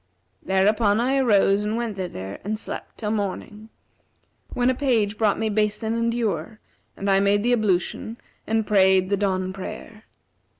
Thereupon I arose and went thither and slept till morning, when a page brought me basin and ewer, and I made the ablution and prayed the dawn prayer.